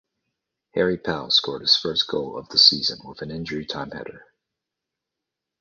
Harry Pell scored his first goal of the season with an injury time header.